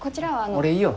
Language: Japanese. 俺いいよ。